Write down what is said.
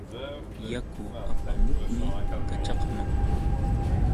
Yaku apamuqmi kaćhaqman.